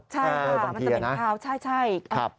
ใช่ค่ะมันจะเหม็นคาวใช่